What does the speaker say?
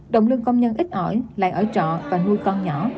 động lương công nhân ít ỏi lại ở trọ và nuôi con nhỏ